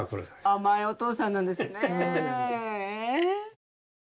甘いお父さんなんですねぇ。